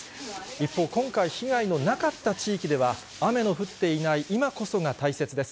一方、今回、被害のなかった地域では、雨の降っていない今こそが大切です。